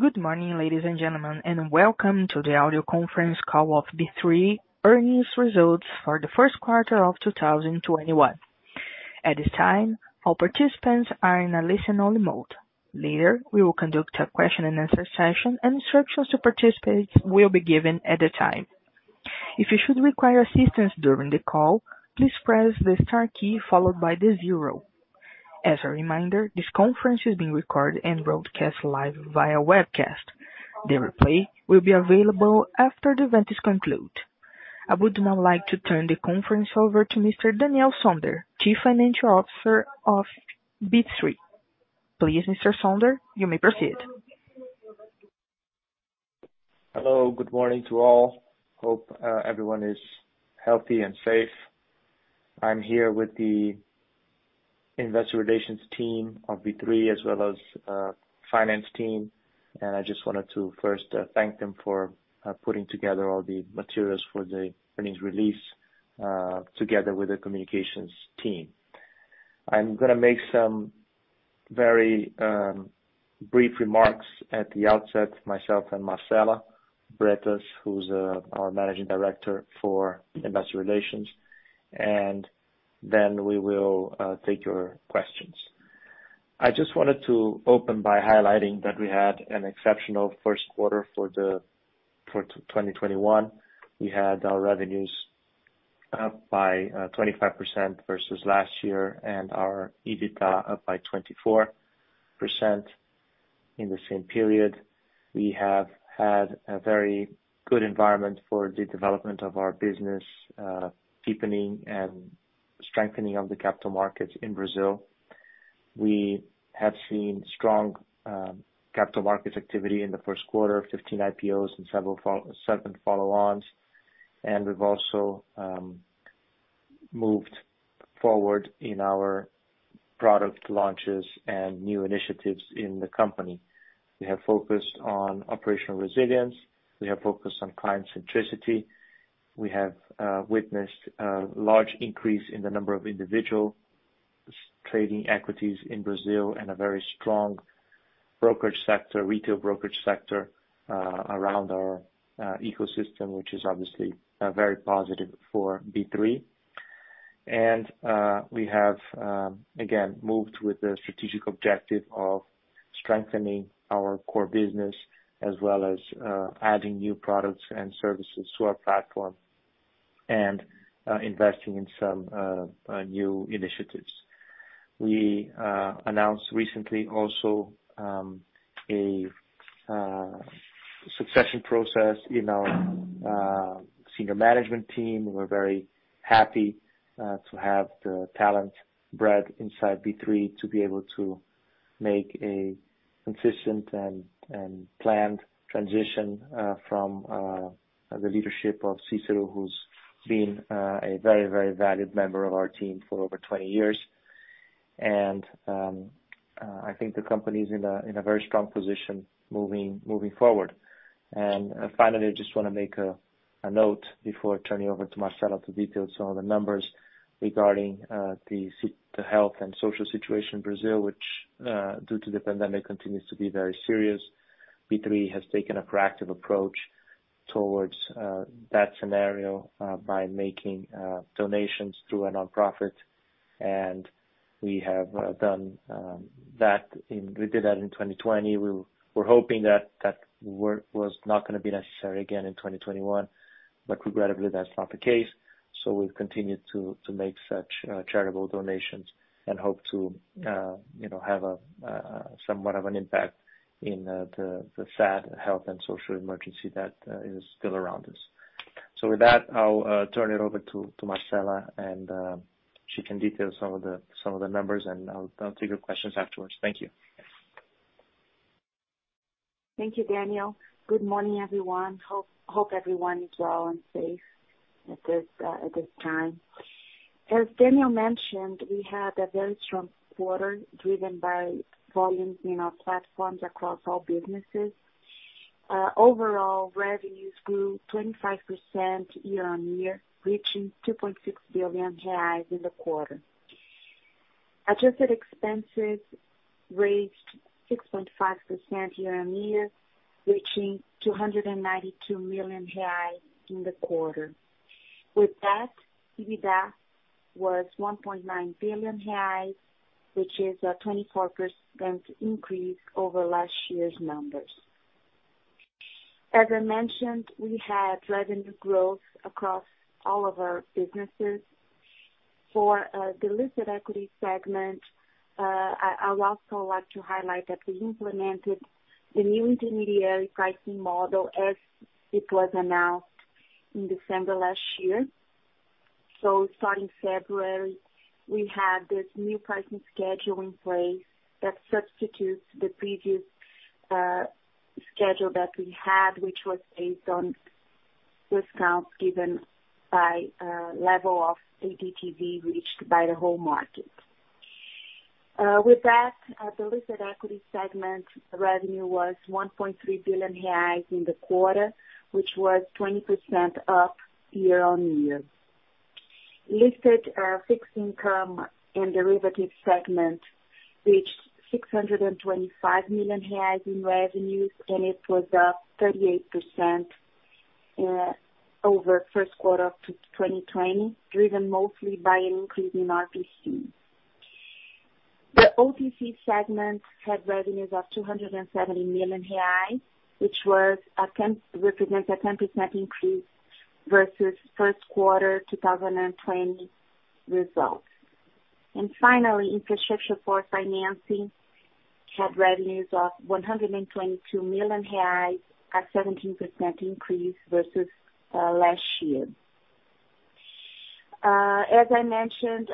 Good morning, ladies and gentlemen, and welcome to the audio conference call of B3 earnings results for the first quarter of 2021. At this time, all participants are in a listen-only mode. Later, we will conduct a question-and-answer session, and instructions to participate will be given at the time. If you should require assistance during the call, please press the star key followed by the zero. As a reminder, this conference is being recorded and broadcast live via webcast. The replay will be available after the event is concluded. I would now like to turn the conference over to Mr. Daniel Sonder, Chief Financial Officer of B3. Please, Mr. Sonder, you may proceed. Hello, good morning to all. Hope everyone is healthy and safe. I'm here with the investor relations team of B3 as well as the finance team, and I just wanted to first thank them for putting together all the materials for the earnings release together with the communications team. I'm going to make some very brief remarks at the outset, myself and Marcela Bretas, who's our Managing Director for Investor Relations, and then we will take your questions. I just wanted to open by highlighting that we had an exceptional first quarter for 2021. We had our revenues up by 25% versus last year and our EBITDA up by 24% in the same period. We have had a very good environment for the development of our business, deepening and strengthening of the capital markets in Brazil. We have seen strong capital market activity in the first quarter, 15 IPOs and seven follow-ons. We've also moved forward in our product launches and new initiatives in the company. We have focused on operational resilience. We have focused on client centricity. We have witnessed a large increase in the number of individual trading equities in Brazil and a very strong retail brokerage sector around our ecosystem, which is obviously very positive for B3. We have, again, moved with the strategic objective of strengthening our core business, as well as adding new products and services to our platform and investing in some new initiatives. We announced recently also a succession process in our senior management team. We're very happy to have the talent bred inside B3 to be able to make a consistent and planned transition from the leadership of Cícero, who's been a very valued member of our team for over 20 years. I think the company is in a very strong position moving forward. Finally, I just want to make a note before turning over to Marcela to detail some of the numbers regarding the health and social situation in Brazil, which due to the pandemic continues to be very serious. B3 has taken a proactive approach towards that scenario by making donations through a non-profit. We did that in 2020. We were hoping that that work was not going to be necessary again in 2021, regrettably, that's not the case. We've continued to make such charitable donations and hope to have somewhat of an impact in the sad health and social emergency that is still around us. With that, I'll turn it over to Marcela and she can detail some of the numbers, and I'll take your questions afterwards. Thank you. Thank you, Daniel. Good morning, everyone. Hope everyone is well and safe at this time. As Daniel mentioned, we had a very strong quarter driven by volumes in our platforms across all businesses. Overall revenues grew 25% year-on-year, reaching BRL 2.6 billion in the quarter. Adjusted expenses raised 6.5% year-on-year, reaching 292 million reais in the quarter. With that, EBITDA was 1.9 billion, which is a 24% increase over last year's numbers. As I mentioned, we had revenue growth across all of our businesses. For the listed equity segment, I would also like to highlight that we implemented the new intermediary pricing model as it was announced in December last year. Starting February, we had this new pricing schedule in place that substitutes the previous schedule that we had, which was based on discounts given by level of ADTV reached by the whole market. With that, the listed equity segment revenue was 1.3 billion reais in the quarter, which was 20% up year-on-year. Listed fixed income and derivatives segment reached 625 million reais in revenues, it was up 38% over first quarter 2020, driven mostly by an increase in RPC. The OTC segment had revenues of 270 million reais, which represents a 10% increase versus first quarter 2020 results. Finally, infrastructure for financing had revenues of 122 million reais, a 17% increase versus last year. As I mentioned,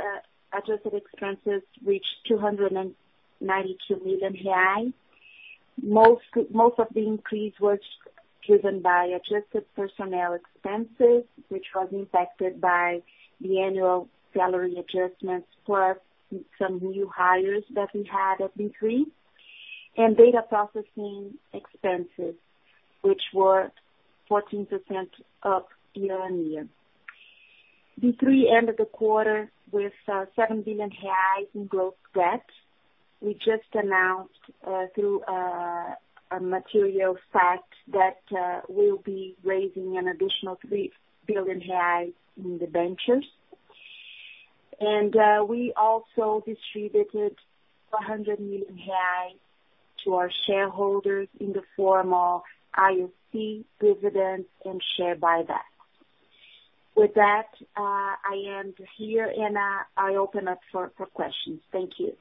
adjusted expenses reached 292 million reais. Most of the increase was driven by adjusted personnel expenses, which was impacted by the annual salary adjustments, plus some new hires that we had at B3, and data processing expenses, which were 14% up year-on-year. B3 ended the quarter with 7 billion reais in gross debt. We just announced through a material fact that we'll be raising an additional 3 billion reais in debentures. We also distributed 100 million reais to our shareholders in the form of IOC dividends and share buybacks. With that, I end here, and I open up for questions. Thank you.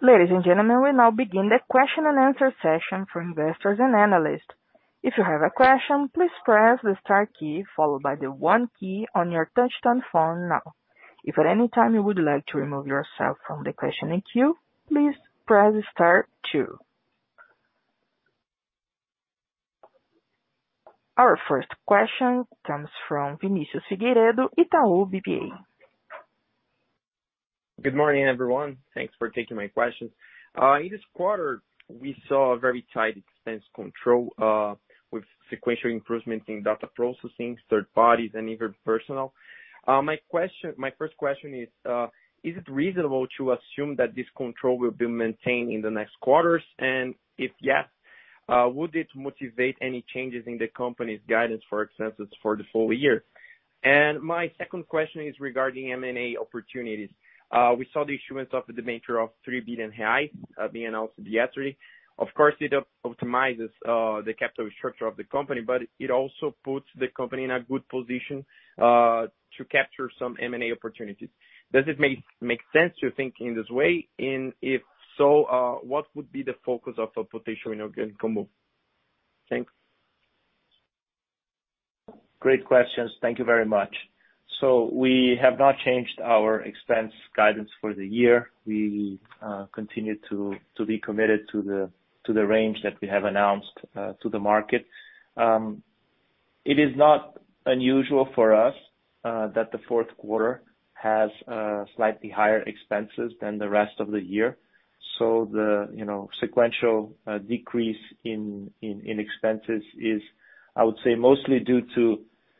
Ladies and gentlemen, we now begin the question and answer session for investors and analysts. Our first question comes from Vinicius Figueiredo, Itaú BBA. Good morning, everyone. Thanks for taking my questions. In this quarter, we saw a very tight expense control, with sequential improvements in data processing, third parties, and even personnel. My first question is: Is it reasonable to assume that this control will be maintained in the next quarters? If yes, would it motivate any changes in the company's guidance for expenses for the full year? My second question is regarding M&A opportunities. We saw the issuance of the debenture of 3 billion reais being announced yesterday. Of course, it optimizes the capital structure of the company, but it also puts the company in a good position to capture some M&A opportunities. Does it make sense to think in this way? If so, what would be the focus of a potential inorganic combo? Thanks. Great questions. Thank you very much. We have not changed our expense guidance for the year. We continue to be committed to the range that we have announced to the market. It is not unusual for us that the fourth quarter has slightly higher expenses than the rest of the year. The sequential decrease in expenses is, I would say, mostly due to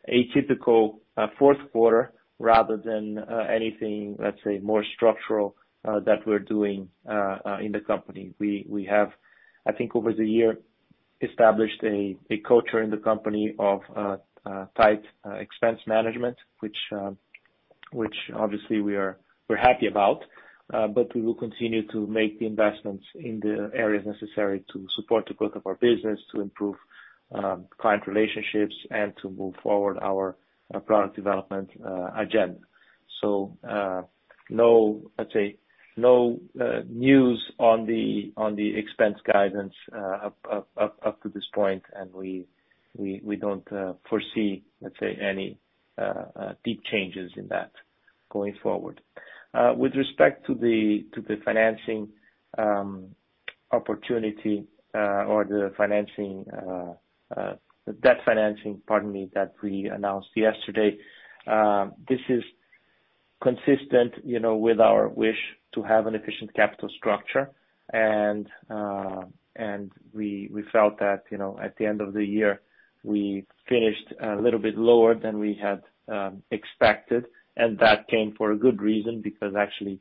a typical fourth quarter rather than anything, let's say, more structural that we're doing in the company. We have, I think over the year, established a culture in the company of tight expense management, which obviously we're happy about. We will continue to make the investments in the areas necessary to support the growth of our business, to improve client relationships, and to move forward our product development agenda. Let's say, no news on the expense guidance up to this point, and we don't foresee, let's say, any deep changes in that going forward. With respect to the financing opportunity or the debt financing, pardon me, that we announced yesterday. This is consistent with our wish to have an efficient capital structure. We felt that at the end of the year, we finished a little bit lower than we had expected. That came for a good reason, because actually,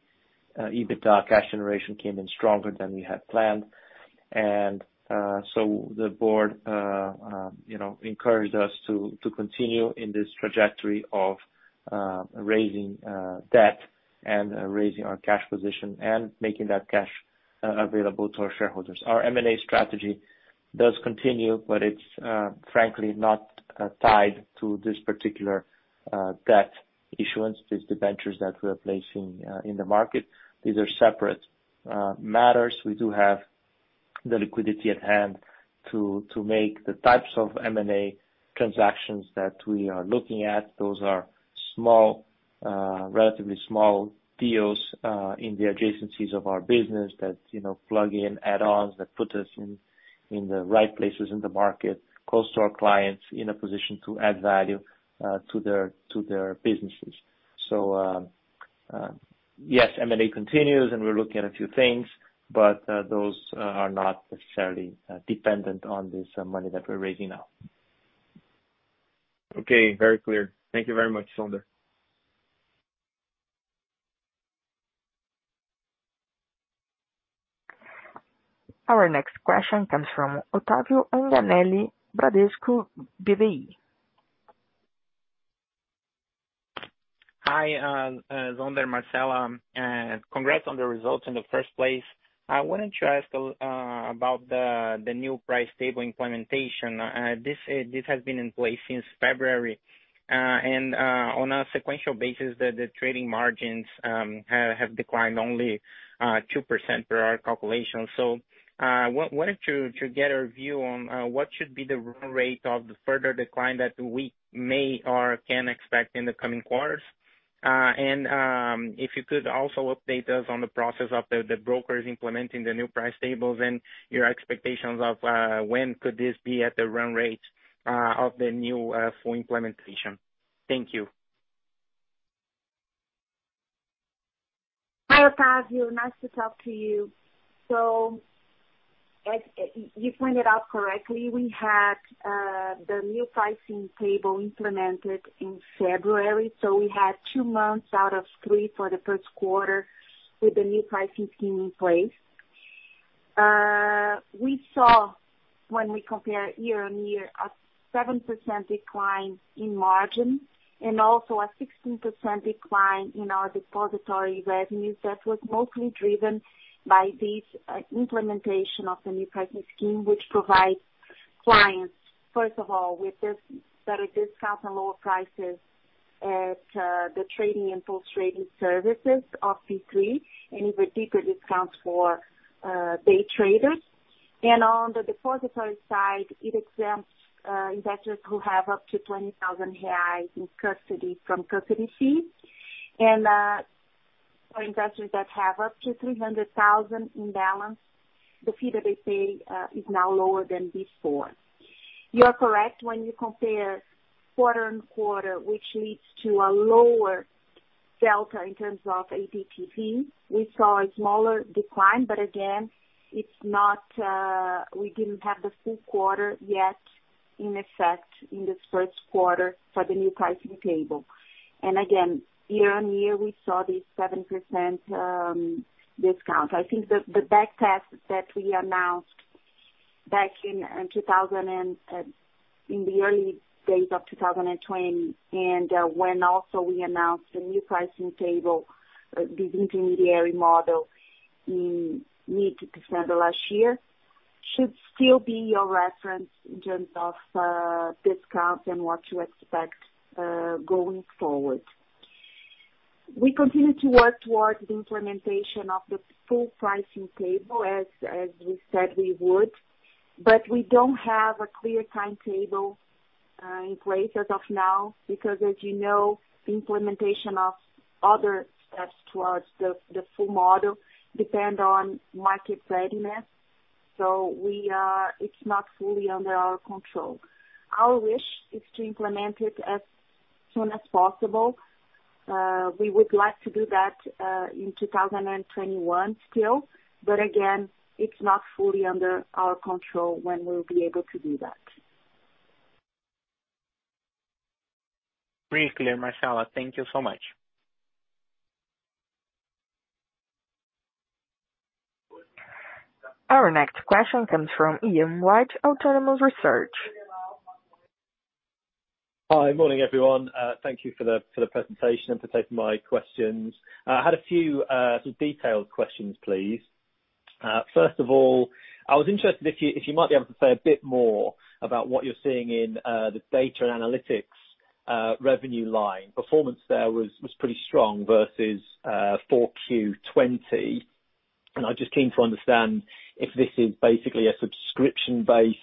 EBITDA cash generation came in stronger than we had planned. The board encouraged us to continue in this trajectory of raising debt and raising our cash position and making that cash available to our shareholders. Our M&A strategy does continue, but it's frankly not tied to this particular debt issuance, these debentures that we're placing in the market. These are separate matters. We do have the liquidity at hand to make the types of M&A transactions that we are looking at. Those are relatively small deals in the adjacencies of our business that plug-in add-ons that put us in the right places in the market, close to our clients, in a position to add value to their businesses. Yes, M&A continues, and we're looking at a few things, but those are not necessarily dependent on this money that we're raising now. Okay. Very clear. Thank you very much, Daniel Sonder. Our next question comes from Otávio Tanganelli, Bradesco BBI. Hi, Daniel Sonder, Marcela Bretas. Congrats on the results in the first place. I wanted to ask about the new price table implementation. This has been in place since February. On a sequential basis, the trading margins have declined only 2% per our calculation. Wanted to get a view on what should be the run rate of the further decline that we may or can expect in the coming quarters. If you could also update us on the process of the brokers implementing the new price tables and your expectations of when could this be at the run rate of the new full implementation. Thank you. Hi, Otávio. Nice to talk to you. You pointed out correctly, we had the new pricing table implemented in February, so we had two months out of three for the first quarter with the new pricing scheme in place. We saw when we compare year-on-year, a 7% decline in margin and also a 16% decline in our depository revenues that was mostly driven by this implementation of the new pricing scheme, which provides clients, first of all, with better discounts and lower prices at the trading and post-trading services of B3, and even deeper discounts for day traders. On the depository side, it exempts investors who have up to 20,000 reais in custody from custody fees. For investors that have up to 300,000 in balance, the fee that they pay is now lower than before. You are correct when you compare quarter-over-quarter, which leads to a lower delta in terms of ADTV. We saw a smaller decline, but again, we didn't have the full quarter yet in effect in this first quarter for the new pricing table. Again, year-over-year, we saw this 7% discount. I think the back test that we announced back in the early days of 2020 and when also we announced the new pricing table, this intermediary model in mid December last year should still be your reference in terms of discounts and what to expect going forward. We continue to work towards the implementation of the full pricing table as we said we would, but we don't have a clear timetable in place as of now because as you know, the implementation of other steps towards the full model depend on market readiness. It's not fully under our control. Our wish is to implement it as soon as possible. We would like to do that in 2021 still, again, it's not fully under our control when we'll be able to do that. Very clear, Marcela. Thank you so much. Our next question comes from Ian White, Autonomous Research. Hi. Morning, everyone. Thank you for the presentation and for taking my questions. I had a few sort of detailed questions, please. First of all, I was interested if you might be able to say a bit more about what you're seeing in the data and analytics revenue line. Performance there was pretty strong versus 4Q 2020, and I'm just keen to understand if this is basically a subscription-based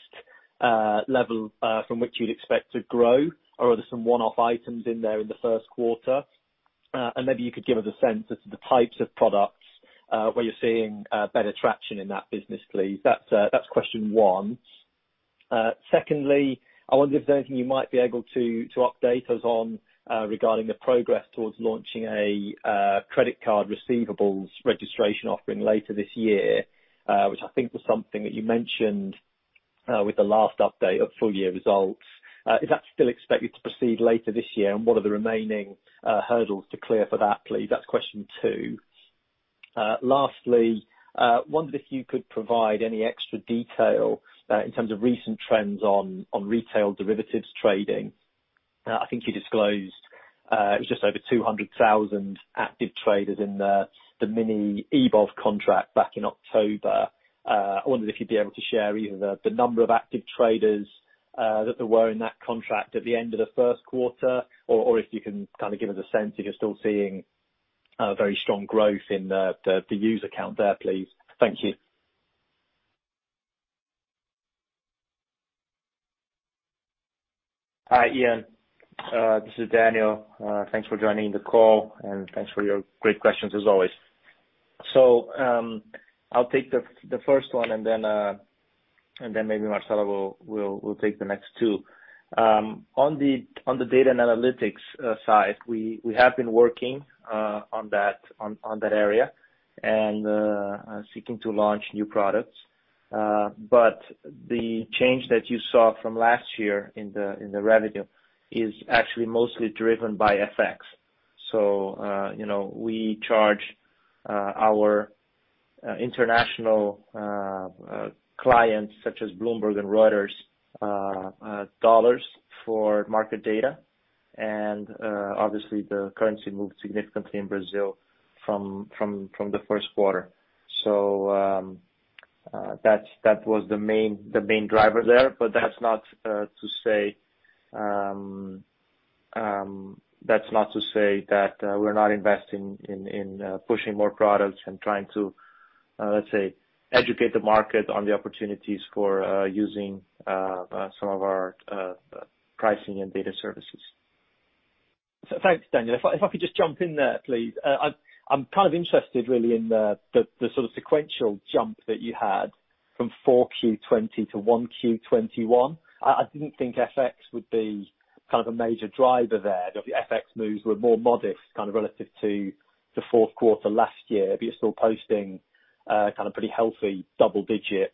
level from which you'd expect to grow or are there some one-off items in there in the first quarter? Maybe you could give us a sense as to the types of products where you're seeing better traction in that business, please. That's question one. I wonder if there's anything you might be able to update us on regarding the progress towards launching a credit card receivables registration offering later this year, which I think was something that you mentioned with the last update of full year results. Is that still expected to proceed later this year? What are the remaining hurdles to clear for that, please? That's question two. Wondered if you could provide any extra detail in terms of recent trends on retail derivatives trading. I think you disclosed it was just over 200,000 active traders in the Mini Ibovespa contract back in October. I wondered if you'd be able to share either the number of active traders that there were in that contract at the end of the first quarter, or if you can kind of give us a sense if you're still seeing very strong growth in the user count there, please. Thank you. Hi, Ian. This is Daniel. Thanks for joining the call, and thanks for your great questions as always. I'll take the first one and then maybe Marcela will take the next two. On the data and analytics side, we have been working on that area and are seeking to launch new products. The change that you saw from last year in the revenue is actually mostly driven by FX. We charge our international clients, such as Bloomberg and Reuters, dollars for market data, and obviously the currency moved significantly in Brazil from the first quarter. That was the main driver there. That's not to say that we're not investing in pushing more products and trying to, let's say, educate the market on the opportunities for using some of our pricing and data services. Thanks, Daniel. If I could just jump in there, please. I'm kind of interested really in the sort of sequential jump that you had from 4Q 2020 to 1Q2021. I didn't think FX would be kind of a major driver there. The FX moves were more modest kind of relative to the fourth quarter last year, but you're still posting a kind of pretty healthy double-digit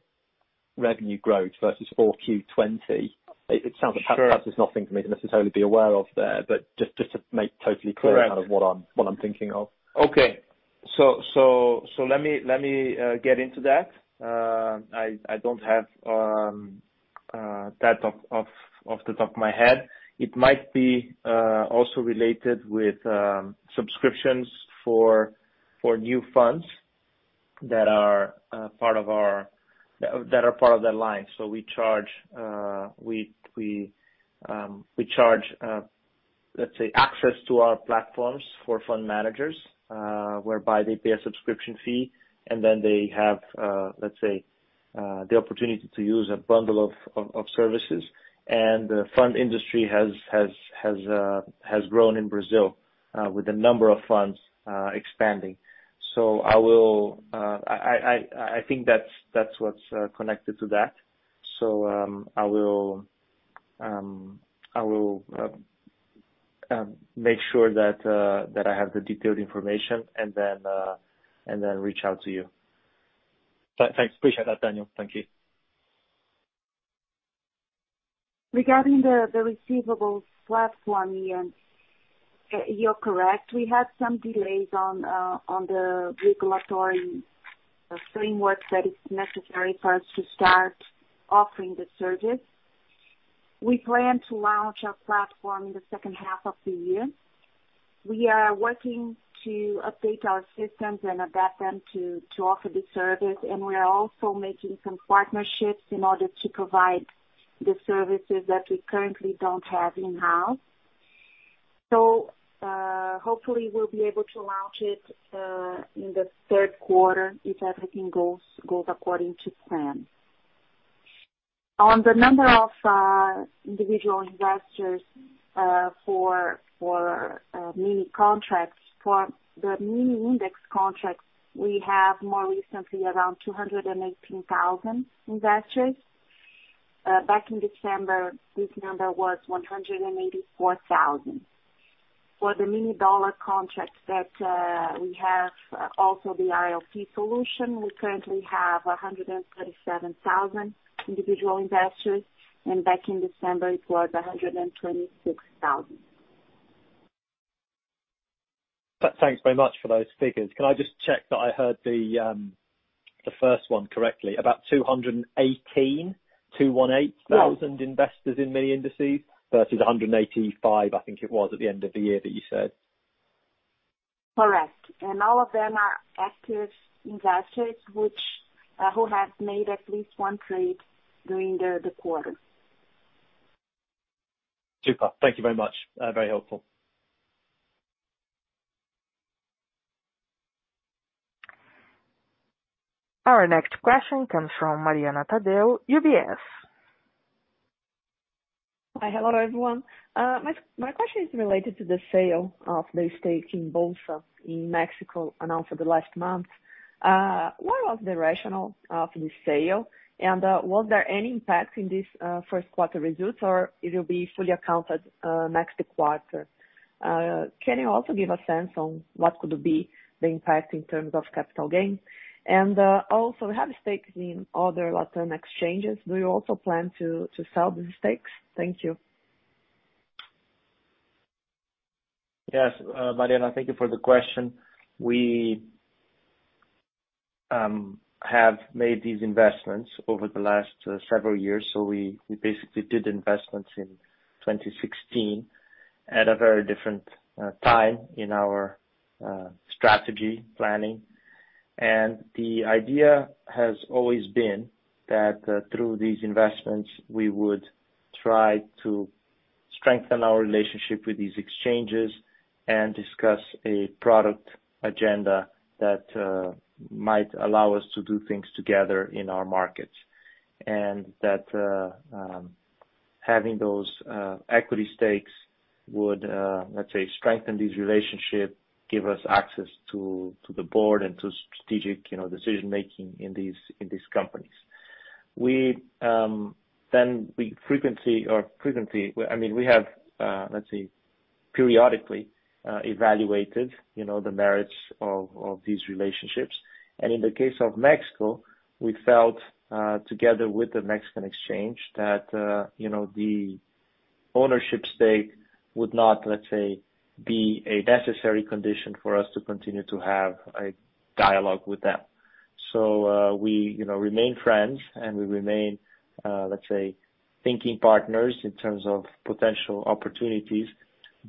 revenue growth versus 4Q 2020. It sounds like. Sure perhaps there's nothing for me to necessarily be aware of there, but just to make totally clear. Correct kind of what I'm thinking of. Okay. Let me get into that. I don't have that off the top of my head. It might be also related with subscriptions for new funds that are part of that line. We charge, let's say, access to our platforms for fund managers, whereby they pay a subscription fee and then they have the opportunity to use a bundle of services. The fund industry has grown in Brazil with the number of funds expanding. I think that's what's connected to that. I will make sure that I have the detailed information and then reach out to you. Thanks. Appreciate that, Daniel. Thank you. Regarding the receivables platform, Ian, you're correct. We had some delays on the regulatory framework that is necessary for us to start offering the service. We plan to launch our platform in the second half of the year. We are working to update our systems and adapt them to offer the service, and we are also making some partnerships in order to provide the services that we currently don't have in-house. Hopefully we'll be able to launch it in the third quarter if everything goes according to plan. On the number of individual investors for mini contracts. For the mini index contracts, we have more recently around 218,000 investors. Back in December, this number was 184,000. For the mini dollar contracts that we have also the RLP solution, we currently have 137,000 individual investors, and back in December it was 126,000. Thanks very much for those figures. Can I just check that I heard the first one correctly? About 218. No thousand investors in mini indices versus 185, I think it was, at the end of the year that you said. Correct. All of them are active investors who have made at least one trade during the quarter. Super. Thank you very much. Very helpful. Our next question comes from Mariana Taddeo, UBS. Hi. Hello, everyone. My question is related to the sale of the stake in Bolsa in Mexico announced over the last month. What was the rationale of the sale? Was there any impact in this first quarter results, or it will be fully accounted next quarter? Can you also give a sense on what could be the impact in terms of capital gains? Also, you have stakes in other Latin exchanges. Do you also plan to sell the stakes? Thank you. Yes. Mariana, thank you for the question. We have made these investments over the last several years. We basically did investments in 2016 at a very different time in our strategy planning. The idea has always been that through these investments, we would try to strengthen our relationship with these exchanges and discuss a product agenda that might allow us to do things together in our markets. That having those equity stakes would, let's say, strengthen this relationship, give us access to the board and to strategic decision-making in these companies. We have, let's say, periodically evaluated the merits of these relationships. In the case of Mexico, we felt, together with the Mexican exchange, that the ownership stake would not, let's say, be a necessary condition for us to continue to have a dialogue with them. We remain friends, and we remain, let's say, thinking partners in terms of potential opportunities.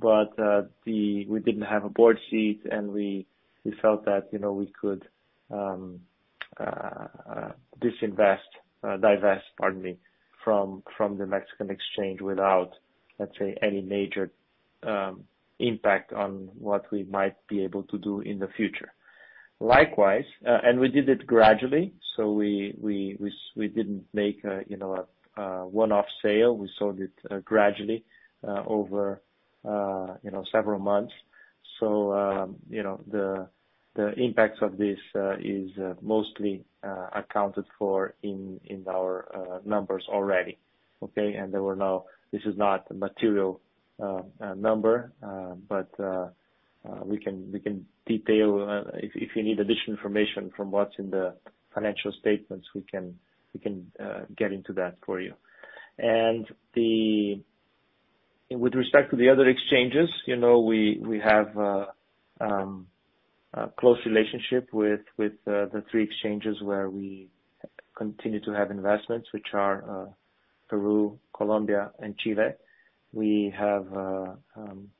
We didn't have a board seat, and we felt that we could divest from the Mexican exchange without, let's say, any major impact on what we might be able to do in the future. We did it gradually, so we didn't make a one-off sale. We sold it gradually over several months. The impact of this is mostly accounted for in our numbers already. Okay? This is not a material number, but we can detail if you need additional information from what's in the financial statements, we can get into that for you. With respect to the other exchanges, we have a close relationship with the three exchanges where we continue to have investments, which are Peru, Colombia, and Chile. We have an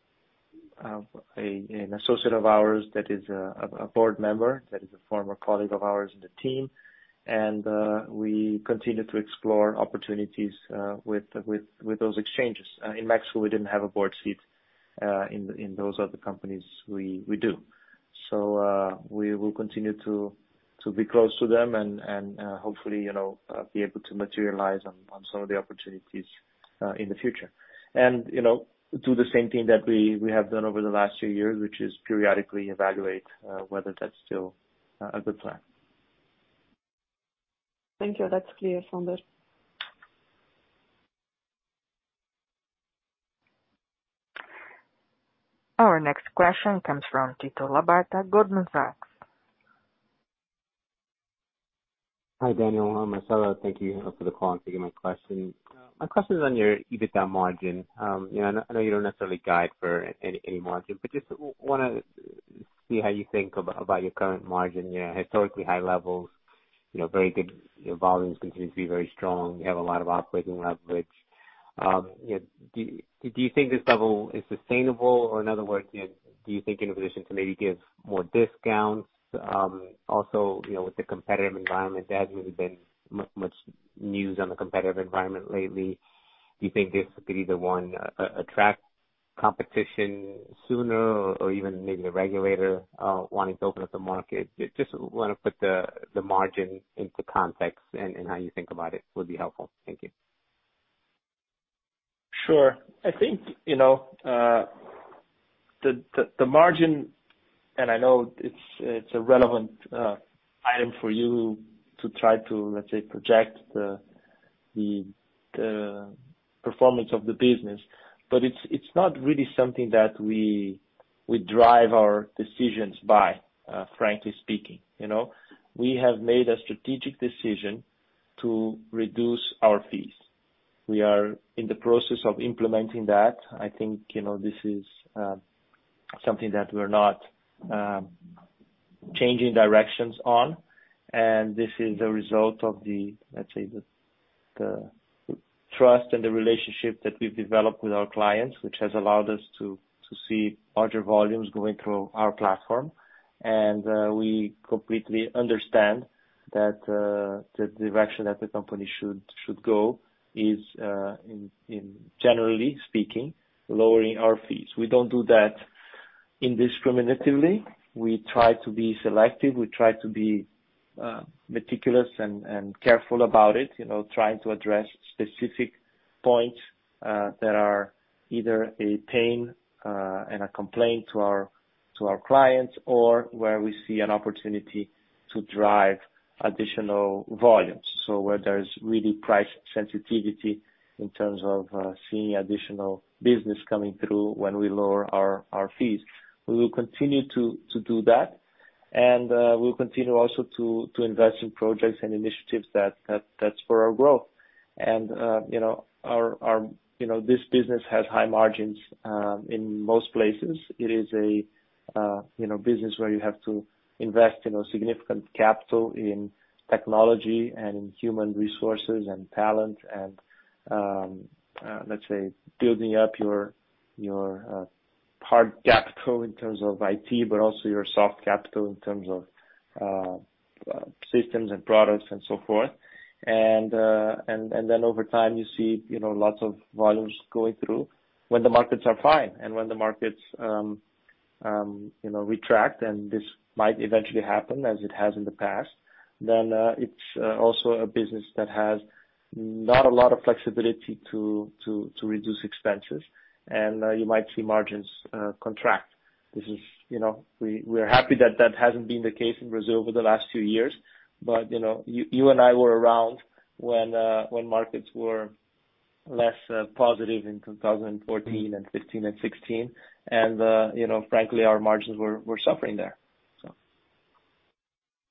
associate of ours that is a board member, that is a former colleague of ours in the team. We continue to explore opportunities with those exchanges. In Mexico, we didn't have a board seat. In those other companies, we do. We will continue to be close to them and hopefully be able to materialize on some of the opportunities in the future. Do the same thing that we have done over the last few years, which is periodically evaluate whether that's still a good plan. Thank you. That's clear, Sonder. Our next question comes from Tito Labarta, Goldman Sachs. Hi, Daniel, Marcela. Thank you for the call, and thank you for my question. My question is on your EBITDA margin. I know you don't necessarily guide for any margin, but just want to see how you think about your current margin. Historically high levels, very good volumes continue to be very strong. You have a lot of operating leverage. Do you think this level is sustainable? In other words, do you think in a position to maybe give more discounts? Also with the competitive environment, there hasn't really been much news on the competitive environment lately. Do you think this could either, one, attract competition sooner or even maybe the regulator wanting to open up the market? I just want to put the margin into context and how you think about it would be helpful. Thank you. Sure. I think the margin, and I know it's a relevant item for you to try to, let's say, project the performance of the business. It's not really something that we drive our decisions by, frankly speaking. We have made a strategic decision to reduce our fees. We are in the process of implementing that. I think this is something that we're not changing directions on, and this is a result of the, let's say, the trust and the relationship that we've developed with our clients, which has allowed us to see larger volumes going through our platform. We completely understand that the direction that the company should go is, generally speaking, lowering our fees. We don't do that indiscriminately. We try to be selective. We try to be meticulous and careful about it, trying to address specific points that are either a pain and a complaint to our clients or where we see an opportunity to drive additional volumes. Where there's really price sensitivity in terms of seeing additional business coming through when we lower our fees. We will continue to do that, and we'll continue also to invest in projects and initiatives that's for our growth. This business has high margins, in most places. It is a business where you have to invest significant capital in technology and in human resources and talent and, let's say, building up your hard capital in terms of IT, but also your soft capital in terms of systems and products and so forth. Then over time, you see lots of volumes going through when the markets are fine. When the markets retract, and this might eventually happen as it has in the past, then it's also a business that has not a lot of flexibility to reduce expenses. You might see margins contract. We're happy that that hasn't been the case in Brazil over the last few years, but you and I were around when markets were less positive in 2014 and 2015 and 2016. Frankly, our margins were suffering there.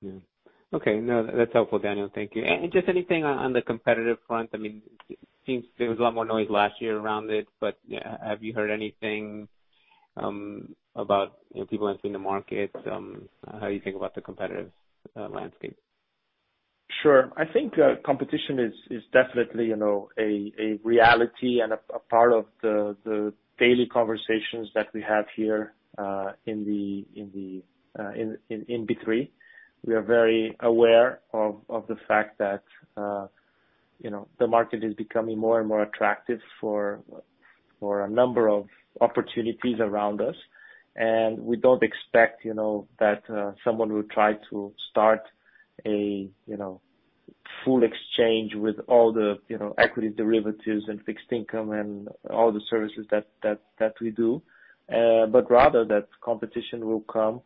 Yeah. Okay. No, that's helpful, Daniel. Thank you. Just anything on the competitive front, there was a lot more noise last year around it, but have you heard anything about people entering the market? How you think about the competitive landscape? Sure. I think competition is definitely a reality and a part of the daily conversations that we have here in B3. We are very aware of the fact that the market is becoming more and more attractive for a number of opportunities around us. We don't expect that someone will try to start a full exchange with all the equity derivatives and fixed income and all the services that we do. Rather that competition will come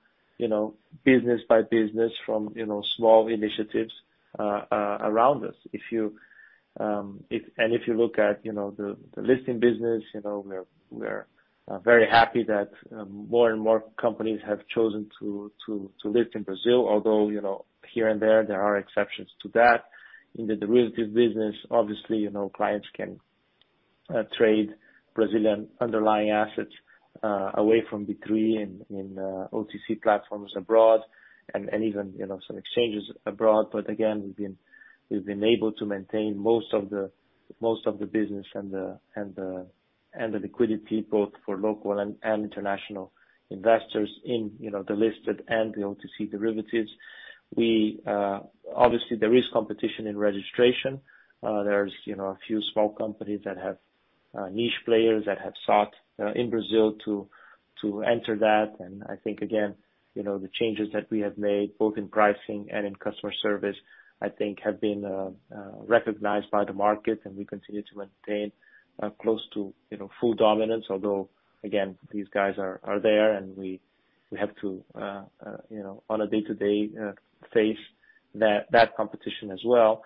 business by business from small initiatives around us. If you look at the listing business, we're very happy that more and more companies have chosen to list in Brazil, although, here and there are exceptions to that. In the derivatives business, obviously, clients can trade Brazilian underlying assets away from B3 in OTC platforms abroad and even some exchanges abroad. Again, we've been able to maintain most of the business and the liquidity both for local and international investors in the listed and the OTC derivatives. Obviously, there is competition in registration. There's a few small companies that have niche players that have sought in Brazil to enter that. I think, again, the changes that we have made both in pricing and in customer service, I think have been recognized by the market, and we continue to maintain close to full dominance. Although, again, these guys are there, and we have to, on a day-to-day, face that competition as well.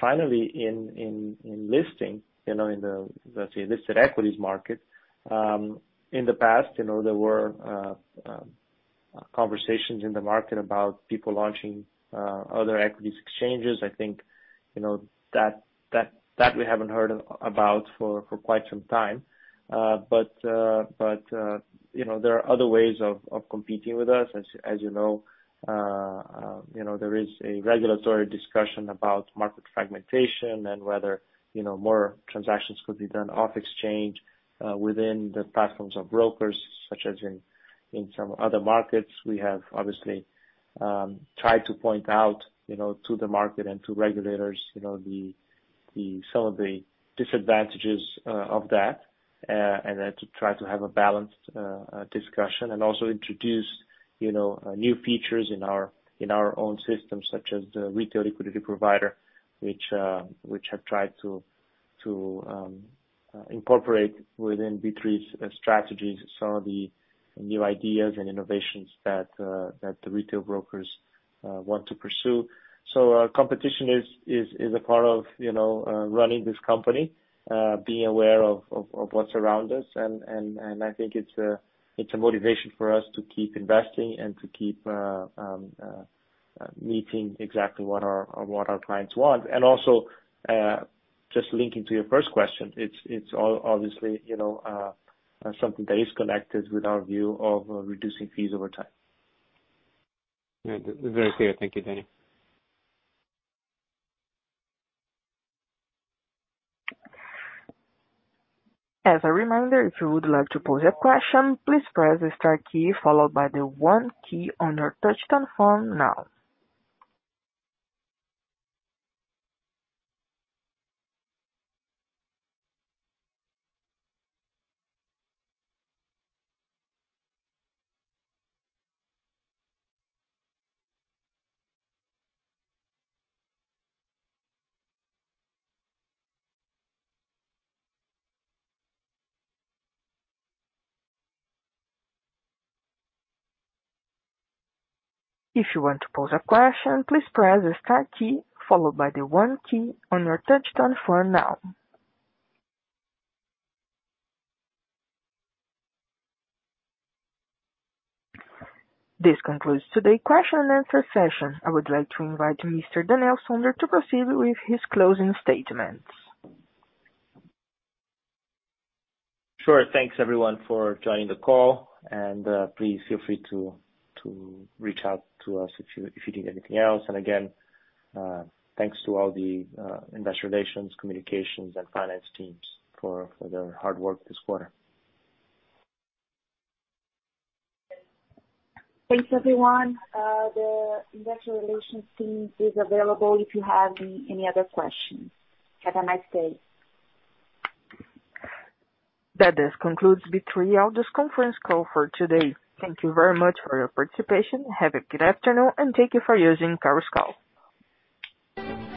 Finally, in the listed equities market, in the past, there were conversations in the market about people launching other equities exchanges. I think that we haven't heard about for quite some time. There are other ways of competing with us. As you know, there is a regulatory discussion about market fragmentation and whether more transactions could be done off exchange within the platforms of brokers, such as in some other markets. We have obviously tried to point out to the market and to regulators some of the disadvantages of that, and then to try to have a balanced discussion and also introduce new features in our own system, such as the Retail Liquidity Provider, which have tried to incorporate within B3's strategies some of the new ideas and innovations that the retail brokers want to pursue. Competition is a part of running this company, being aware of what's around us. I think it's a motivation for us to keep investing and to keep meeting exactly what our clients want. Also, just linking to your first question, it is obviously something that is connected with our view of reducing fees over time. Yeah. Very clear. Thank you, Daniel. This concludes today question and answer session. I would like to invite Mr. Daniel Sonder to proceed with his closing statements. Sure. Thanks everyone for joining the call. Please feel free to reach out to us if you need anything else. Again, thanks to all the investor relations, communications, and finance teams for their hard work this quarter. Thanks, everyone. The investor relations team is available if you have any other questions. Have a nice day. That just concludes B3's conference call for today. Thank you very much for your participation. Have a good afternoon, and thank you for using Chorus Call.